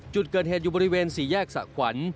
จุดเกิดเหตุอยู่บริเวณสี่แยกสะขวัญ